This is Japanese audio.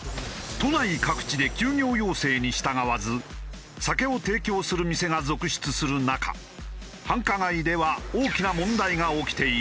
都内各地で休業要請に従わず酒を提供する店が続出する中繁華街では大きな問題が起きている。